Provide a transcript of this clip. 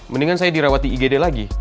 mendingan saya dirawat di igd lagi